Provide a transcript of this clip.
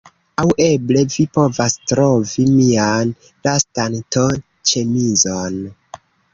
Aŭ eble vi povas trovi mian lastan t-ĉemizon.